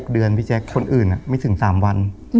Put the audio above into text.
เดือนพี่แจ๊คคนอื่นไม่ถึง๓วัน